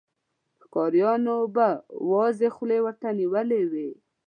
ښکاريانو به وازې خولې ورته نيولې وې.